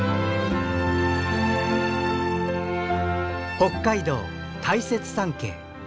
北海道大雪山系。